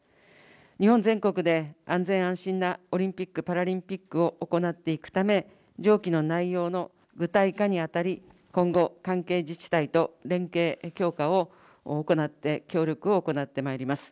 日本全国で安全・安心なオリンピック・パラリンピックを行っていくため、上記の内容の具体化に当たり、今後、関係自治体と連携強化を行って、協力を行ってまいります。